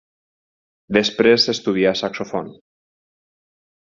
Després estudià saxòfon.